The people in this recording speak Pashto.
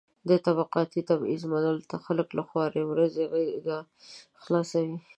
د طبقاتي تبعيض منلو ته خلک له خوارې ورځې غېږه خلاصوي.